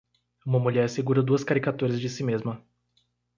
Uma mulher segura duas caricaturas de si mesma.